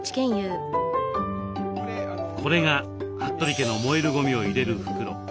これが服部家の燃えるゴミを入れる袋。